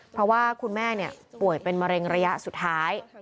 เพราะว่าคุณแม่ป่วยเป็นมะเร็งระยะสุดท้าย